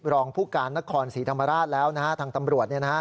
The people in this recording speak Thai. รองผู้การนครศรีธรรมราชแล้วทางตำรวจ